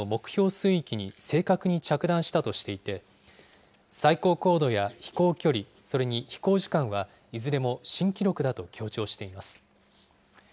水域に正確に着弾したとしていて、最高高度や飛行距離、それに飛行時間はいずれも新記録だと強調しています。